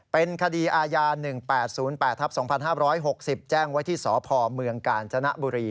เป็นคดีอาญา๑๘๐๘ทับ๒๕๖๐แจ้งไว้ที่สพเมืองกาญจนบุรี